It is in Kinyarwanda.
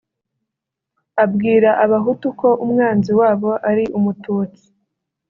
abwira abahutu ko umwanzi wabo ari umututsi